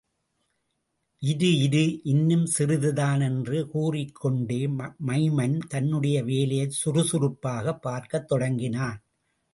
இரு, இரு இன்னும் சிறிதுதான் என்று கூறிக்கொண்டே, மைமன் தன்னுடைய வேலையைச் சுறுசுறுப்பாகப் பார்க்கத் தொடங்கினான்.